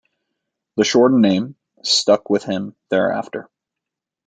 The shortened name stuck with him thereafter.